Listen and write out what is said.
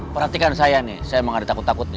perhatikan saya nih saya emang ada takut takutnya